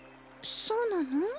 そうなの？